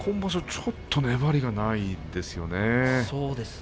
ちょっと粘りがないですよね。